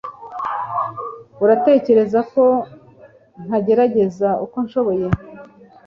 Uratekereza ko ntagerageza uko nshoboye?